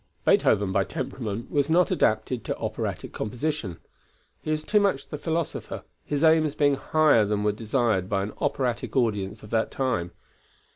Beethoven by temperament was not adapted to operatic composition. He was too much the philosopher, his aims being higher than were desired by an operatic audience of that time.